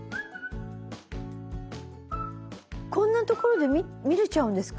こんなところで見れちゃうんですか？